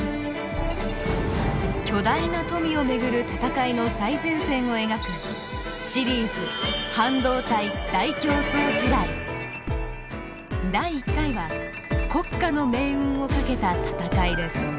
巨大な富を巡る闘いの最前線を描くシリーズ第１回は「国家の“命運”をかけた闘い」です。